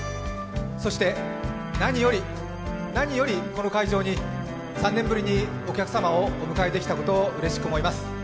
そして何より、何より、この会場に３年ぶりにお客様をお迎えできたことうれしく思います。